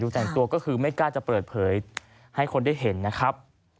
แต่งตัวก็คือไม่กล้าจะเปิดเผยให้คนได้เห็นนะครับ